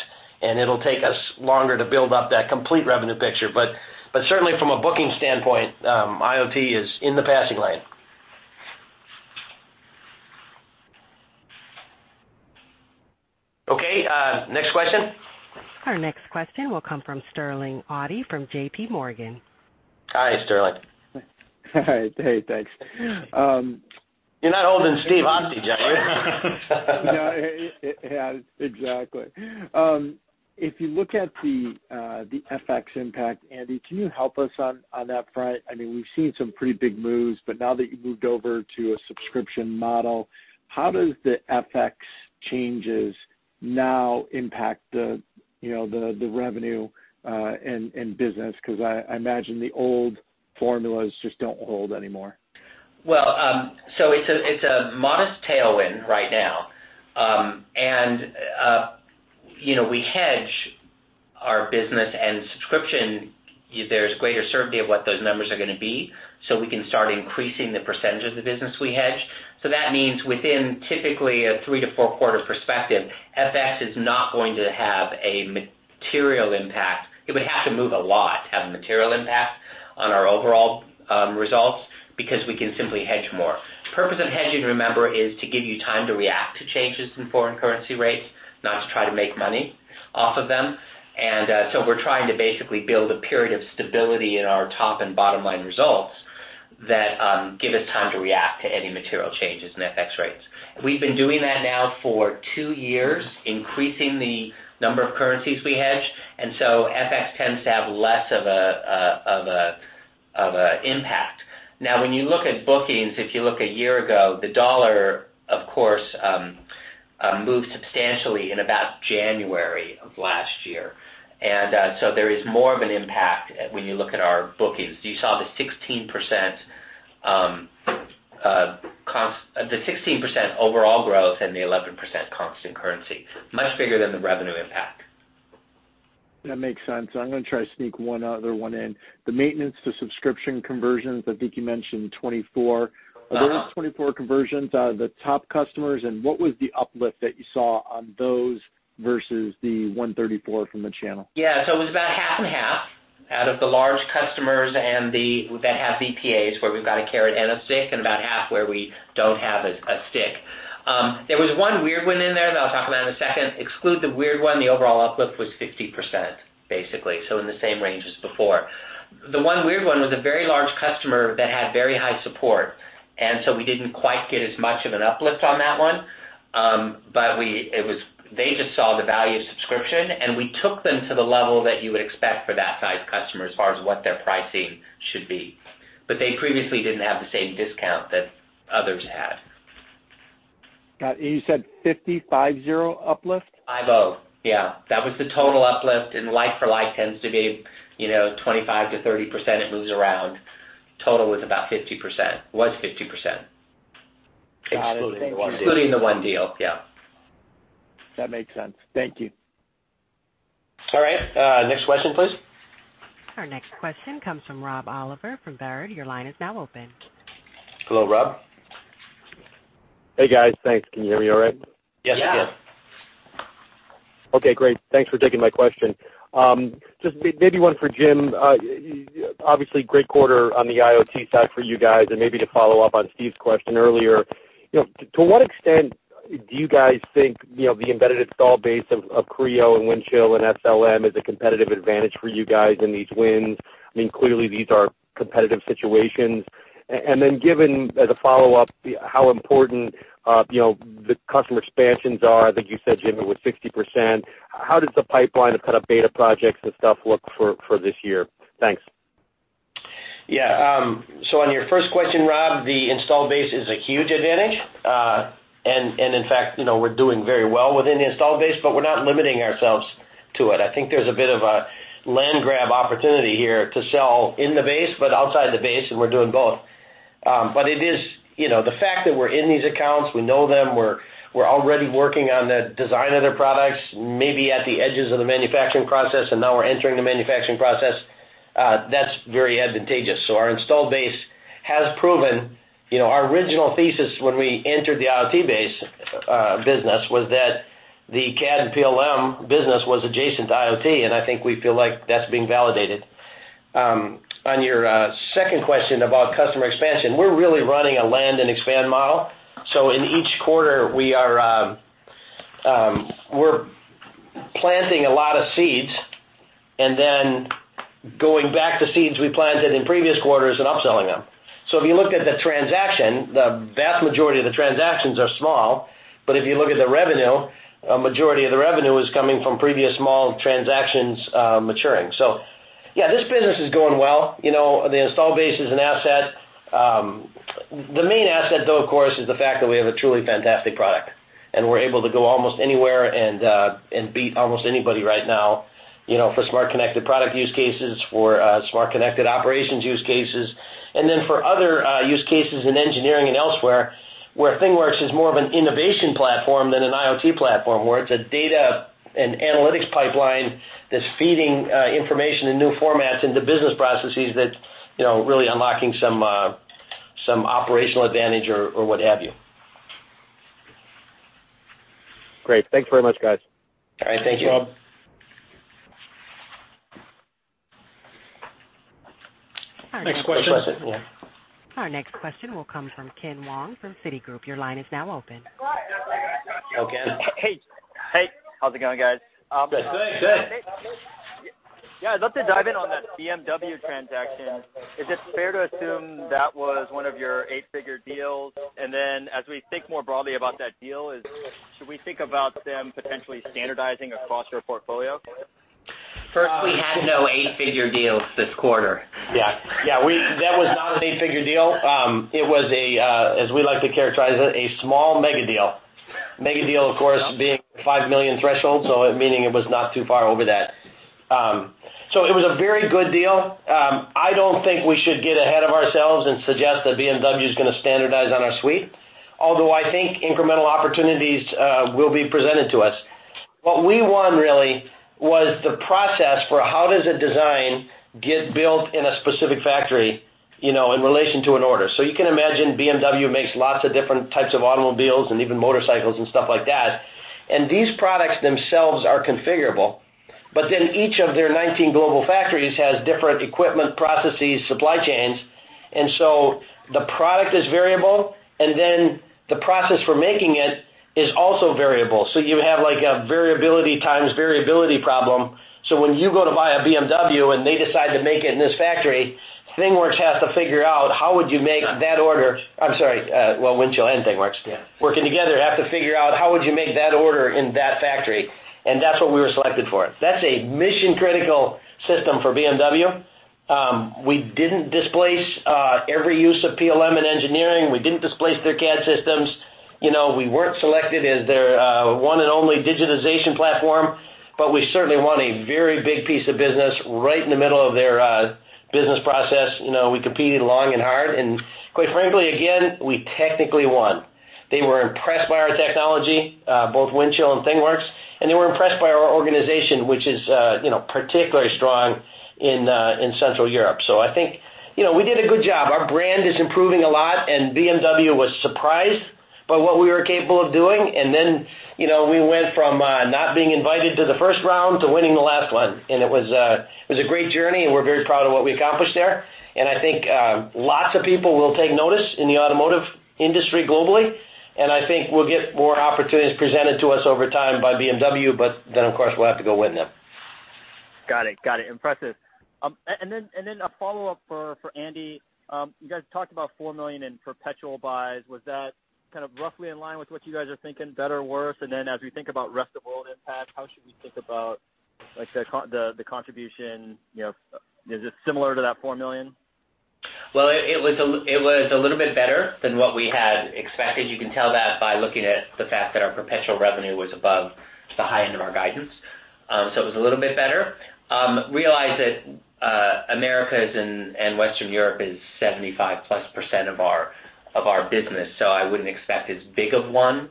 and it'll take us longer to build up that complete revenue picture. Certainly, from a booking standpoint, IoT is in the passing lane. Okay, next question. Our next question will come from Sterling Auty from JPMorgan. Hi, Sterling. Hey, thanks. You're not holding Steve hostage, are you? No, yeah. Exactly. If you look at the FX impact, Andy, can you help us on that front? We've seen some pretty big moves, but now that you've moved over to a subscription model, how does the FX changes now impact the revenue and business? Because I imagine the old formulas just don't hold anymore. It's a modest tailwind right now. We hedge our business and subscription if there's greater certainty of what those numbers are going to be, so we can start increasing the percentage of the business we hedge. That means within typically a three to four quarter perspective, FX is not going to have a material impact. It would have to move a lot to have a material impact on our overall results, because we can simply hedge more. The purpose of hedging, remember, is to give you time to react to changes in foreign currency rates, not to try to make money off of them. We're trying to basically build a period of stability in our top and bottom line results that give us time to react to any material changes in FX rates. We've been doing that now for two years, increasing the number of currencies we hedge, FX tends to have less of an impact. When you look at bookings, if you look a year ago, the dollar, of course, moved substantially in about January of last year. There is more of an impact when you look at our bookings. You saw the 16% overall growth and the 11% constant currency. Much bigger than the revenue impact. That makes sense. I'm going to try to sneak one other one in. The maintenance to subscription conversions, I think you mentioned 24. Are those 24 conversions the top customers? What was the uplift that you saw on those versus the 134 from the channel? Yeah. It was about half and half out of the large customers, and that have BPAs, where we've got a carrot and a stick, and about half where we don't have a stick. There was one weird one in there that I'll talk about in a second. Exclude the weird one, the overall uplift was 50%, basically. In the same range as before. The one weird one was a very large customer that had very high support. We didn't quite get as much of an uplift on that one. They just saw the value of subscription, and we took them to the level that you would expect for that size customer, as far as what their pricing should be. They previously didn't have the same discount that others had. Got it. You said 50, five, zero uplift? 5-0, yeah. That was the total uplift. Like for like tends to be 25%-30%. It moves around. Total was about 50%. Was 50%. Got it. Thank you. Including the one deal. Yeah. That makes sense. Thank you. All right. Next question, please. Our next question comes from Rob Oliver from Baird. Your line is now open. Hello, Rob. Hey, guys. Thanks. Can you hear me all right? Yes, we can. Okay, great. Thanks for taking my question. Just maybe one for Jim. Obviously, great quarter on the IoT side for you guys. Maybe to follow up on Steve's question earlier. To what extent do you guys think the embedded install base of Creo and Windchill and SLM is a competitive advantage for you guys in these wins? I mean, clearly these are competitive situations. Given, as a follow-up, how important the customer expansions are. I think you said, Jim, it was 60%. How does the pipeline of kind of beta projects and stuff look for this year? Thanks. On your first question, Rob, the install base is a huge advantage. In fact, we're doing very well within the install base, but we're not limiting ourselves to it. I think there's a bit of a land grab opportunity here to sell in the base but outside the base, and we're doing both. The fact that we're in these accounts, we know them, we're already working on the design of their products, maybe at the edges of the manufacturing process, and now we're entering the manufacturing process, that's very advantageous. Our install base has proven our original thesis when we entered the IoT business was that the CAD and PLM business was adjacent to IoT, and I think we feel like that's being validated. On your second question about customer expansion, we're really running a land and expand model. In each quarter, we're planting a lot of seeds, going back to seeds we planted in previous quarters and upselling them. If you look at the transaction, the vast majority of the transactions are small, but if you look at the revenue, a majority of the revenue is coming from previous small transactions maturing. This business is going well. The install base is an asset. The main asset, though, of course, is the fact that we have a truly fantastic product, and we're able to go almost anywhere and beat almost anybody right now, for smart connected product use cases, for smart connected operations use cases. For other use cases in engineering and elsewhere, where ThingWorx is more of an innovation platform than an IoT platform, where it's a data and analytics pipeline that's feeding information in new formats into business processes that's really unlocking some operational advantage or what have you. Great. Thank you very much, guys. All right. Thank you. Thanks, Rob. Next question. Our next question will come from Ken Wong from Citigroup. Your line is now open. Hi, Ken. Hey. How's it going, guys? Good. Good. Yeah, I'd love to dive in on that BMW transaction. Is it fair to assume that was one of your eight-figure deals? As we think more broadly about that deal, should we think about them potentially standardizing across your portfolio? First, we had no eight-figure deals this quarter. Yeah. That was not an eight-figure deal. It was a, as we like to characterize it, a small mega deal. Mega deal, of course, being the $5 million threshold, meaning it was not too far over that. It was a very good deal. I don't think we should get ahead of ourselves and suggest that BMW's going to standardize on our suite, although I think incremental opportunities will be presented to us. What we won really, was the process for how does a design get built in a specific factory, in relation to an order. You can imagine BMW makes lots of different types of automobiles and even motorcycles and stuff like that, and these products themselves are configurable. Each of their 19 global factories has different equipment, processes, supply chains, the product is variable, and then the process for making it is also variable. You have a variability times variability problem, when you go to buy a BMW and they decide to make it in this factory, ThingWorx has to figure out how would you make that order. I'm sorry, well, Windchill and ThingWorx- Yeah working together, have to figure out how would you make that order in that factory, and that's what we were selected for. That's a mission-critical system for BMW. We didn't displace every use of PLM and engineering. We didn't displace their CAD systems. We weren't selected as their one and only digitization platform, but we certainly won a very big piece of business right in the middle of their business process. We competed long and hard, and quite frankly, again, we technically won. They were impressed by our technology, both Windchill and ThingWorx, and they were impressed by our organization, which is particularly strong in Central Europe. I think we did a good job. Our brand is improving a lot, and BMW was surprised by what we were capable of doing. We went from not being invited to the first round to winning the last one. It was a great journey, and we're very proud of what we accomplished there. I think lots of people will take notice in the automotive industry globally, and I think we'll get more opportunities presented to us over time by BMW, of course, we'll have to go win them. Got it. Impressive. A follow-up for Andy. You guys talked about $4 million in perpetual buys. Was that roughly in line with what you guys are thinking, better or worse? As we think about rest of world impact, how should we think about the contribution? Is it similar to that $4 million? It was a little bit better than what we had expected. You can tell that by looking at the fact that our perpetual revenue was above the high end of our guidance. It was a little bit better. Realize that Americas and Western Europe is 75-plus% of our business, so I wouldn't expect as big of one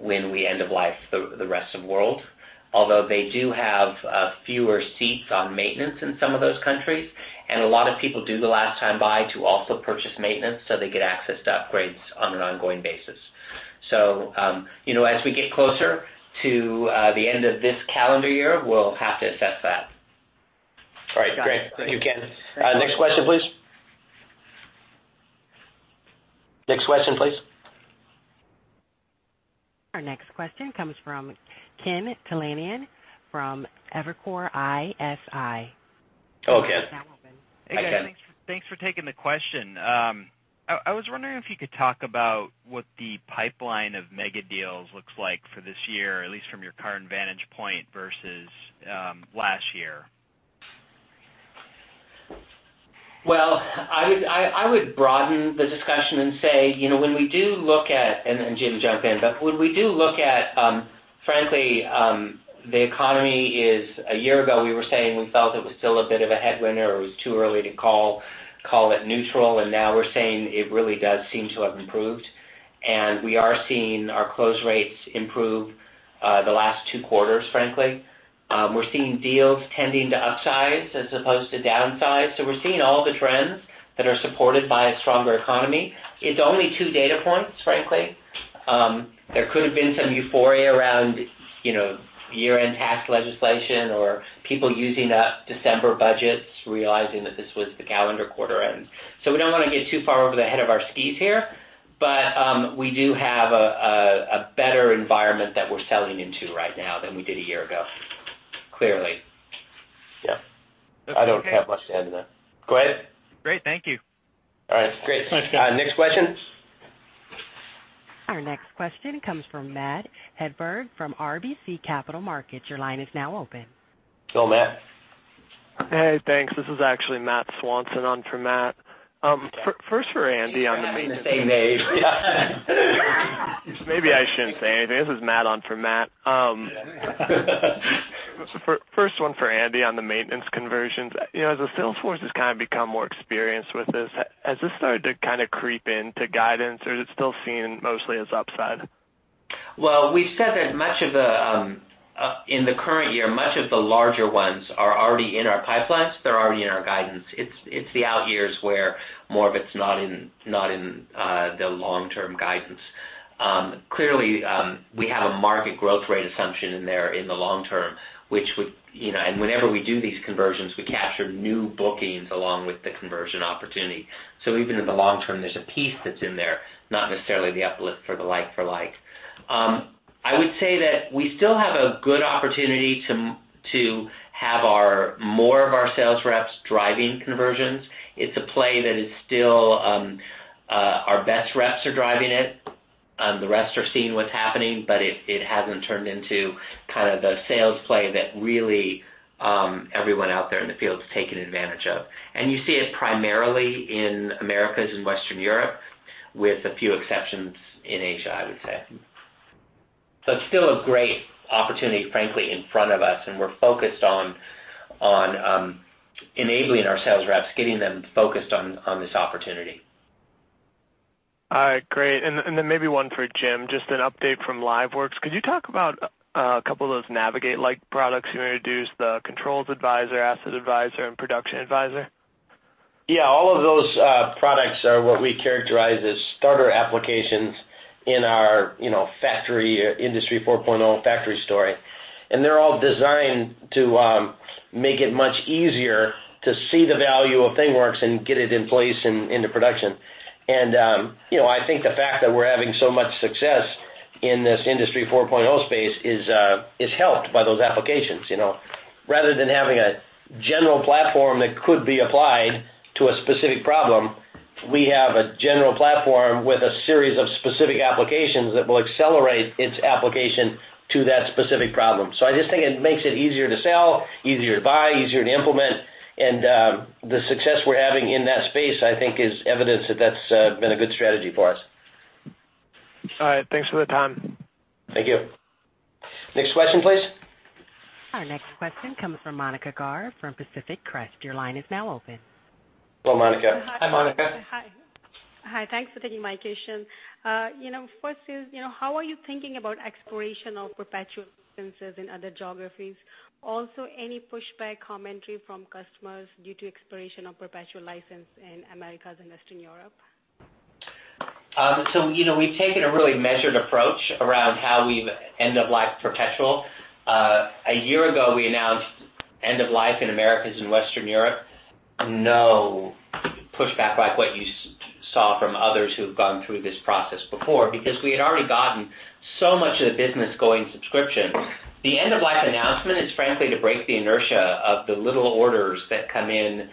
when we end of life the rest of world. Although they do have fewer seats on maintenance in some of those countries, and a lot of people do the last time buy to also purchase maintenance, so they get access to upgrades on an ongoing basis. As we get closer to the end of this calendar year, we'll have to assess that. All right, great. Thank you, Ken. Next question, please. Next question, please. Our next question comes from Ken Talanian from Evercore ISI. Oh, Ken. Your line is now open. Hi, Ken. Hey, guys. Thanks for taking the question. I was wondering if you could talk about what the pipeline of mega deals looks like for this year, at least from your current vantage point versus last year. Well, I would broaden the discussion and say, when we do look at, and Jim, jump in, but when we do look at, frankly the economy is, a year ago, we were saying we felt it was still a bit of a headwind or it was too early to call it neutral, and now we're saying it really does seem to have improved. We are seeing our close rates improve the last two quarters, frankly. We're seeing deals tending to upsize as opposed to downsize. So we're seeing all the trends that are supported by a stronger economy. It's only two data points, frankly. There could've been some euphoria around year-end tax legislation or people using up December budgets, realizing that this was the calendar quarter end. We don't want to get too far over the head of our skis here, but we do have a better environment that we're selling into right now than we did a year ago, clearly. Yeah. I don't have much to add to that. Go ahead. Great. Thank you. All right, great. Thanks, guys. Next question. Our next question comes from Matt Hedberg from RBC Capital Markets. Your line is now open. Go, Matt. Hey, thanks. This is actually Matt Swanson on for Matt. First for Andy on the- We keep having the same names. Yeah Maybe I shouldn't say anything. This is Matt on for Matt. Yeah. First one for Andy on the maintenance conversions. As the sales force has become more experienced with this, has this started to creep into guidance, or is it still seen mostly as upside? Well, we've said that in the current year, much of the larger ones are already in our pipelines. They're already in our guidance. It's the out years where more of it's not in the long-term guidance. Clearly, we have a market growth rate assumption in there in the long term. Whenever we do these conversions, we capture new bookings along with the conversion opportunity. Even in the long term, there's a piece that's in there, not necessarily the uplift for the like for likes. I would say that we still have a good opportunity to have more of our sales reps driving conversions. It's a play that is still our best reps are driving it. The rest are seeing what's happening, but it hasn't turned into the sales play that really everyone out there in the field is taking advantage of. You see it primarily in Americas and Western Europe, with a few exceptions in Asia, I would say. It's still a great opportunity, frankly, in front of us, and we're focused on enabling our sales reps, getting them focused on this opportunity. All right, great. Maybe one for Jim, just an update from LiveWorx. Could you talk about a couple of those Navigate-like products you introduced, the Controls Advisor, Asset Advisor, and Production Advisor? Yeah, all of those products are what we characterize as starter applications in our Industry 4.0 factory story. They're all designed to make it much easier to see the value of ThingWorx and get it in place into production. I think the fact that we're having so much success in this Industry 4.0 space is helped by those applications. Rather than having a general platform that could be applied to a specific problem, we have a general platform with a series of specific applications that will accelerate its application to that specific problem. I just think it makes it easier to sell, easier to buy, easier to implement, and the success we're having in that space, I think, is evidence that that's been a good strategy for us. All right. Thanks for the time. Thank you. Next question, please. Our next question comes from Monica Gaur from Pacific Crest. Your line is now open. Hello, Monica. Hi, Monica. Hi. Thanks for taking my question. First is, how are you thinking about expiration of perpetual licenses in other geographies? Also, any pushback commentary from customers due to expiration of perpetual license in Americas and Western Europe? We've taken a really measured approach around how we've end-of-lifed perpetual. A year ago, we announced end of life in Americas and Western Europe. No pushback like what you saw from others who've gone through this process before, because we had already gotten so much of the business going subscription. The end of life announcement is frankly to break the inertia of the little orders that come in.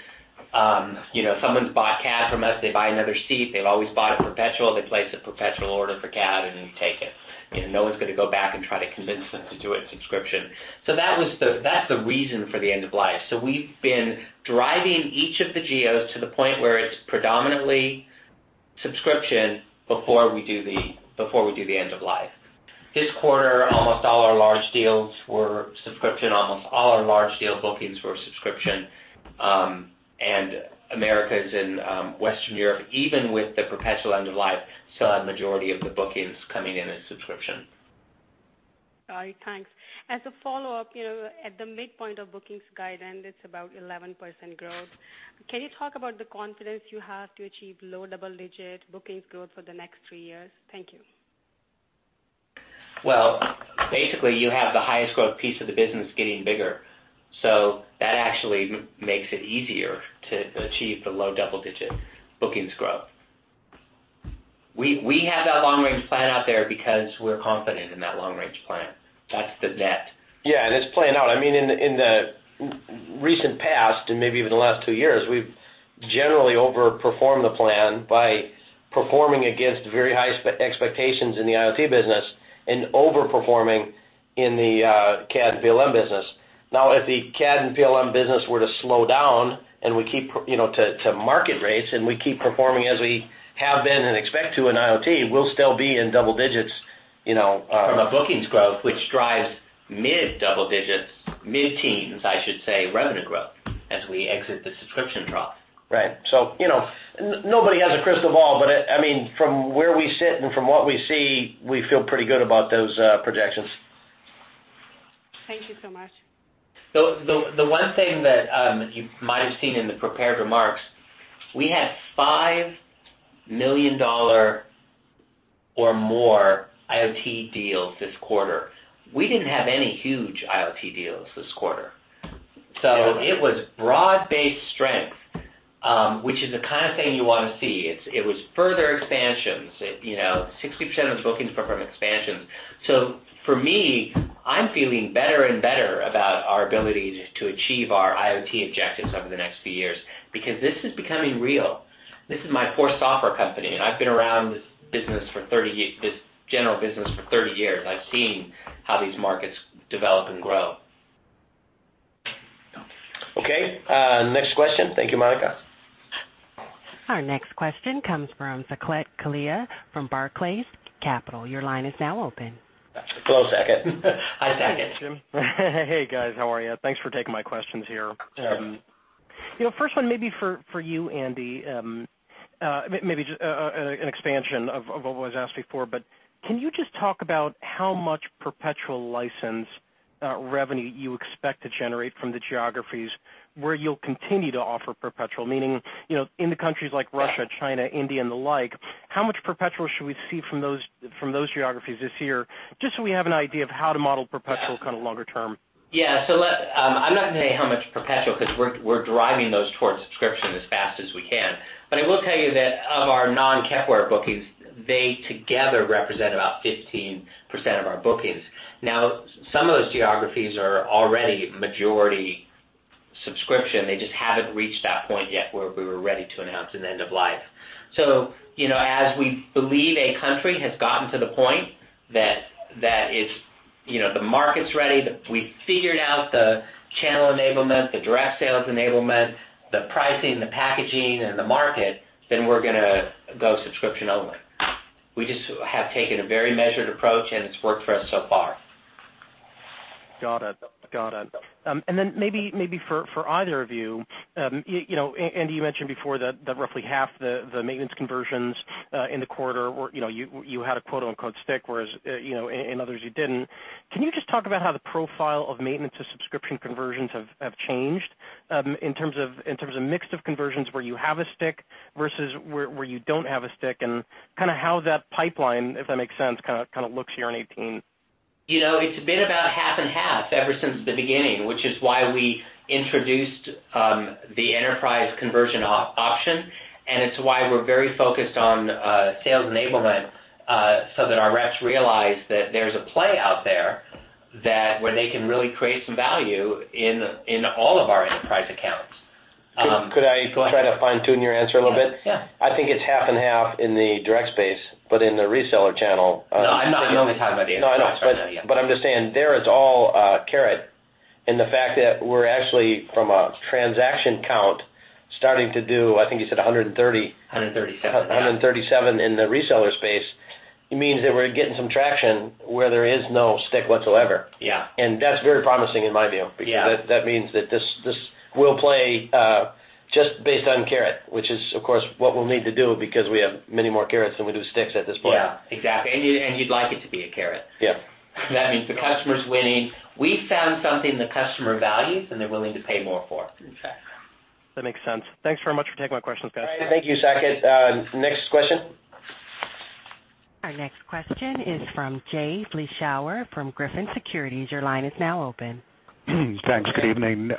Someone's bought CAD from us, they buy another seat, they've always bought a perpetual, they place a perpetual order for CAD, and then you take it. No one's going to go back and try to convince them to do it subscription. That's the reason for the end of life. We've been driving each of the geos to the point where it's predominantly subscription before we do the end of life. This quarter, almost all our large deals were subscription. Almost all our large deal bookings were subscription. Americas and Western Europe, even with the perpetual end of life, still had majority of the bookings coming in as subscription. All right, thanks. As a follow-up, at the midpoint of bookings guidance, it's about 11% growth. Can you talk about the confidence you have to achieve low double-digit bookings growth for the next three years? Thank you. Well, basically, you have the highest growth piece of the business getting bigger. That actually makes it easier to achieve the low double-digit bookings growth. We have that long-range plan out there because we're confident in that long-range plan. That's the net. Yeah, it's playing out. In the recent past, and maybe even the last two years, we've generally overperformed the plan by performing against very high expectations in the IoT business and over-performing in the CAD and PLM business. If the CAD and PLM business were to slow down to market rates, we keep performing as we have been and expect to in IoT, we'll still be in double digits. From a bookings growth, which drives mid-double digits, mid-teens, I should say, revenue growth as we exit the subscription trough. Right. Nobody has a crystal ball, but from where we sit and from what we see, we feel pretty good about those projections. Thank you so much. The one thing that you might have seen in the prepared remarks, we had $5 million or more IoT deals this quarter. We didn't have any huge IoT deals this quarter. It was broad-based strength, which is the kind of thing you want to see. It was further expansions. 60% of the bookings were from expansions. For me, I'm feeling better and better about our ability to achieve our IoT objectives over the next few years, because this is becoming real. This is my fourth software company, and I've been around this general business for 30 years. I've seen how these markets develop and grow. Okay. Next question. Thank you, Monica. Our next question comes from Saket Kalia from Barclays Capital. Your line is now open. Hello, Saket. Hi, Saket. Hey, Jim. Hey, guys, how are you? Thanks for taking my questions here. Yeah. First one may be for you, Andy. Maybe just an expansion of what was asked before. Can you just talk about how much perpetual license revenue you expect to generate from the geographies where you will continue to offer perpetual? Meaning, in the countries like Russia, China, India, and the like, how much perpetual should we see from those geographies this year, just so we have an idea of how to model perpetual longer term? I am not going to tell you how much perpetual, because we are driving those towards subscription as fast as we can. I will tell you that of our non-Kepware bookings, they together represent about 15% of our bookings. Some of those geographies are already majority subscription. They just have not reached that point yet where we were ready to announce an end of life. As we believe a country has gotten to the point that the market is ready. We figured out the channel enablement, the direct sales enablement, the pricing, the packaging, and the market, then we are going to go subscription only. We just have taken a very measured approach, and it has worked for us so far. Got it. Then maybe for either of you, Andy, you mentioned before that roughly half the maintenance conversions in the quarter, you had a quote-unquote stick, whereas, in others you did not. Can you just talk about how the profile of maintenance to subscription conversions have changed in terms of mix of conversions where you have a stick versus where you do not have a stick, and how that pipeline, if that makes sense, looks here in 2018? It has been about half and half ever since the beginning, which is why we introduced the enterprise conversion option, and it is why we are very focused on sales enablement, so that our reps realize that there is a play out there where they can really create some value in all of our enterprise accounts. Could I? Go ahead. I try to fine-tune your answer a little bit? Yeah. I think it's half and half in the direct space, but in the reseller channel- No, I'm not. You're only talking about the enterprise side, yeah. No, I know, but I'm just saying there it's all carrot, and the fact that we're actually from a transaction count starting to do, I think you said 130. 137, yeah. 137 in the reseller space, means that we're getting some traction where there is no stick whatsoever. Yeah. That's very promising in my view. Yeah. That means that this will play just based on carrot, which is, of course, what we'll need to do because we have many more carrots than we do sticks at this point. Yeah, exactly. You'd like it to be a carrot. Yeah. That means the customer's winning. We've found something the customer values, and they're willing to pay more for it, in fact. That makes sense. Thanks very much for taking my questions, guys. All right. Thank you, Saket. Next question. Our next question is from Jay Vleeschhouwer from Griffin Securities. Your line is now open. Thanks. Good evening.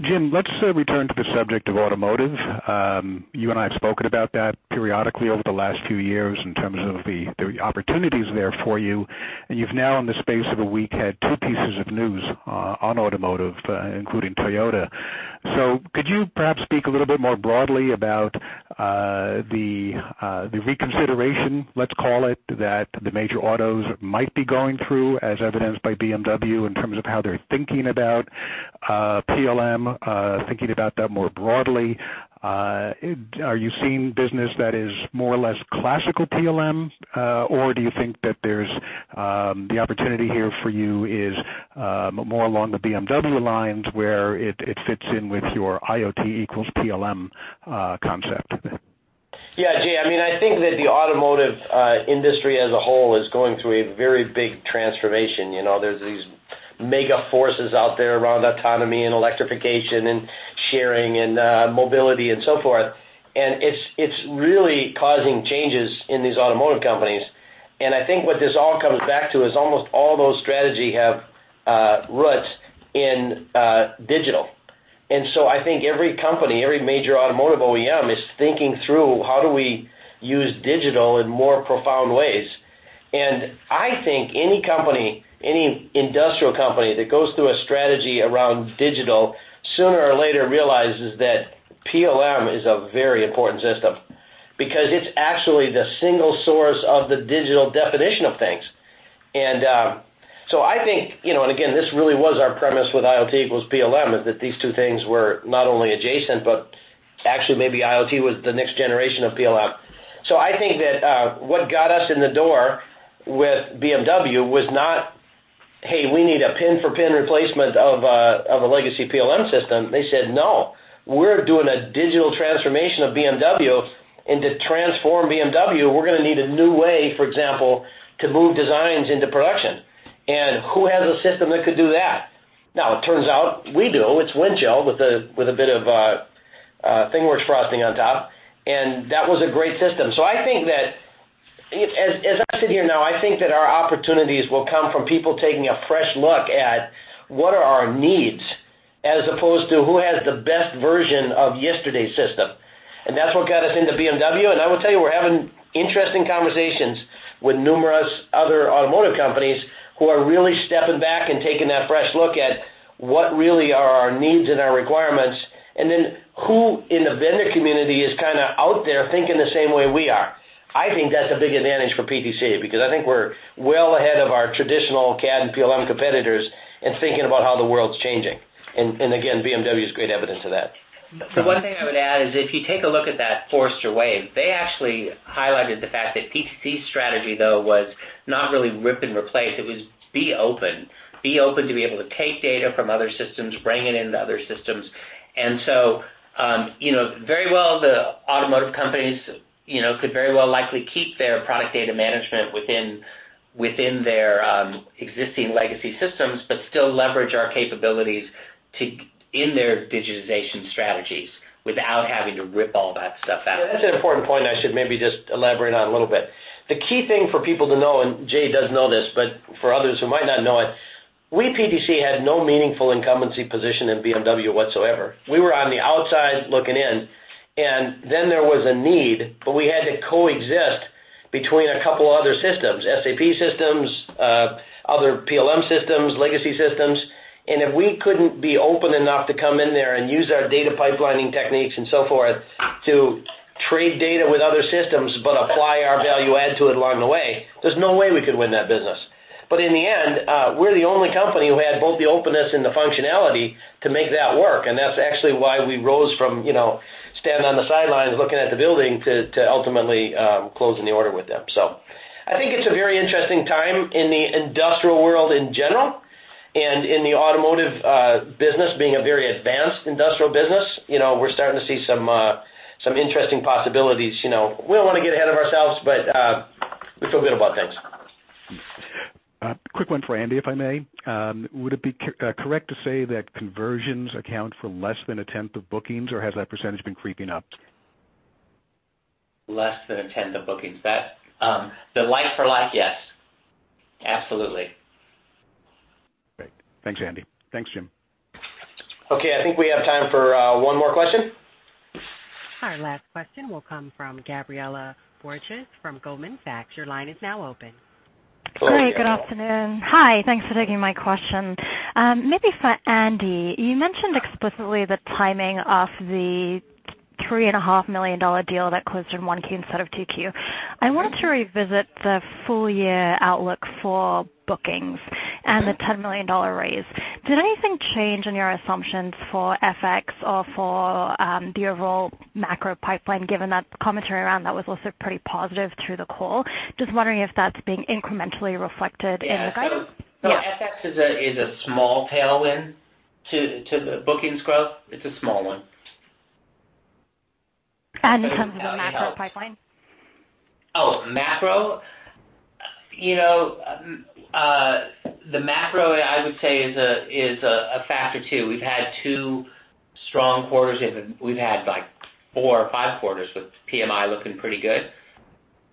Jim, let's return to the subject of automotive. You and I have spoken about that periodically over the last few years in terms of the opportunities there for you, and you've now, in the space of a week, had two pieces of news on automotive, including Toyota. Could you perhaps speak a little bit more broadly about the reconsideration, let's call it, that the major autos might be going through, as evidenced by BMW, in terms of how they're thinking about PLM, thinking about that more broadly? Are you seeing business that is more or less classical PLM, or do you think that the opportunity here for you is more along the BMW lines, where it fits in with your IoT equals PLM concept? Yeah, Jay, I think that the automotive industry as a whole is going through a very big transformation. There's these mega forces out there around autonomy and electrification and sharing and mobility and so forth, and it's really causing changes in these automotive companies. I think what this all comes back to is almost all those strategy have roots in digital. I think every company, every major automotive OEM, is thinking through, how do we use digital in more profound ways. I think any company, any industrial company that goes through a strategy around digital, sooner or later realizes that PLM is a very important system, because it's actually the single source of the digital definition of things. Again, this really was our premise with IoT equals PLM, is that these two things were not only adjacent, but actually maybe IoT was the next generation of PLM. I think that what got us in the door with BMW was not, "Hey, we need a pin for pin replacement of a legacy PLM system." They said, "No. We're doing a digital transformation of BMW. To transform BMW, we're going to need a new way, for example, to move designs into production. Who has a system that could do that?" Now, it turns out we do. It's Windchill with a bit of ThingWorx frosting on top, and that was a great system. I think that as I sit here now, I think that our opportunities will come from people taking a fresh look at what are our needs, as opposed to who has the best version of yesterday's system. That's what got us into BMW, and I will tell you, we're having interesting conversations with numerous other automotive companies who are really stepping back and taking that fresh look at what really are our needs and our requirements, then who in the vendor community is out there thinking the same way we are. I think that's a big advantage for PTC, because I think we're well ahead of our traditional CAD and PLM competitors in thinking about how the world's changing. Again, BMW is great evidence of that. The one thing I would add is if you take a look at that Forrester Wave, they actually highlighted the fact that PTC's strategy, though, was not really rip and replace. It was be open. Be open to be able to take data from other systems, bring it into other systems. The automotive companies could very well likely keep their product data management within their existing legacy systems but still leverage our capabilities in their digitization strategies without having to rip all that stuff out. That's an important point I should maybe just elaborate on a little bit. The key thing for people to know, and Jay does know this, but for others who might not know it, we, PTC, had no meaningful incumbency position in BMW whatsoever. We were on the outside looking in. There was a need, but we had to coexist between a couple other systems, SAP systems, other PLM systems, legacy systems. If we couldn't be open enough to come in there and use our data pipelining techniques and so forth to trade data with other systems but apply our value add to it along the way, there's no way we could win that business. In the end, we're the only company who had both the openness and the functionality to make that work, and that's actually why we rose from standing on the sidelines looking at the building to ultimately closing the order with them. I think it's a very interesting time in the industrial world in general, and in the automotive business being a very advanced industrial business. We're starting to see some interesting possibilities. We don't want to get ahead of ourselves, but we feel good about things. A quick one for Andy, if I may. Would it be correct to say that conversions account for less than a tenth of bookings, or has that percentage been creeping up? Less than a tenth of bookings. The like for like, yes. Absolutely. Great. Thanks, Andy. Thanks, Jim. Okay. I think we have time for one more question. Our last question will come from Gabriela Borges from Goldman Sachs. Your line is now open. Hello. Hi. Good afternoon. Hi. Thanks for taking my question. Maybe for Andy. You mentioned explicitly the timing of the $3.5 million deal that closed in 1Q instead of 2Q. I wanted to revisit the full year outlook for bookings and the $10 million raise. Did anything change in your assumptions for FX or for the overall macro pipeline, given that the commentary around that was also pretty positive through the call? Just wondering if that's being incrementally reflected in your guidance. Yeah. FX is a small tailwind to the bookings growth. It's a small one. In terms of the macro pipeline? Oh, macro? The macro, I would say, is a factor, too. We've had two strong quarters. We've had four or five quarters with PMI looking pretty good.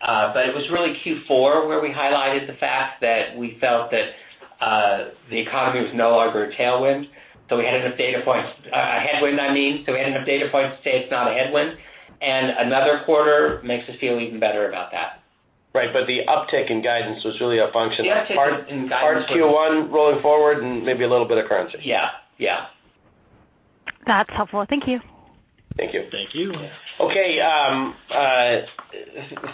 It was really Q4 where we highlighted the fact that we felt that the economy was no longer a headwind. We had enough data points to say it's not a headwind, and another quarter makes us feel even better about that. Right. The uptick in guidance was really a function. The uptick in guidance was It was part Q1 rolling forward and maybe a little bit of currency. Yeah. That's helpful. Thank you. Thank you. Thank you. Okay.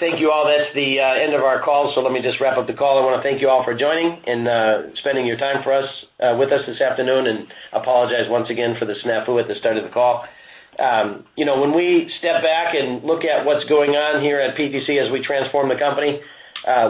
Thank you, all. That's the end of our call, so let me just wrap up the call. I want to thank you all for joining and spending your time with us this afternoon, and apologize once again for the snafu at the start of the call. When we step back and look at what's going on here at PTC as we transform the company,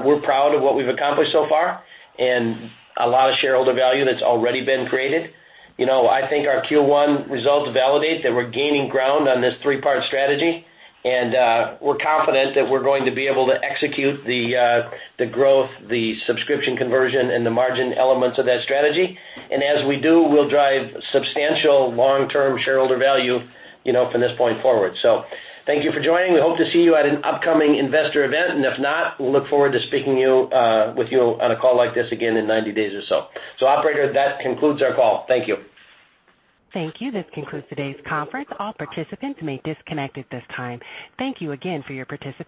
we're proud of what we've accomplished so far and a lot of shareholder value that's already been created. I think our Q1 results validate that we're gaining ground on this three-part strategy, and we're confident that we're going to be able to execute the growth, the subscription conversion, and the margin elements of that strategy. As we do, we'll drive substantial long-term shareholder value from this point forward. Thank you for joining. We hope to see you at an upcoming investor event, and if not, we'll look forward to speaking with you on a call like this again in 90 days or so. Operator, that concludes our call. Thank you. Thank you. This concludes today's conference. All participants may disconnect at this time. Thank you again for your participation.